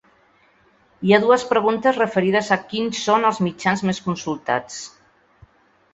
Hi ha dues preguntes referides a quins són els mitjans més consultats.